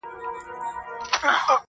دې لېوني پنځه وارې څيښلي شراب~